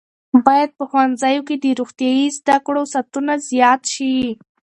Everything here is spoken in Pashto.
باید په ښوونځیو کې د روغتیايي زده کړو ساعتونه زیات شي.